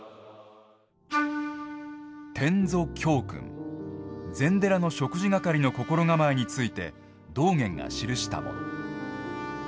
「典座教訓」禅寺の食事係の心構えについて道元が記したもの。